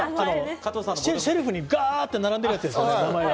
シェルフにがっと並んでるやつだよね。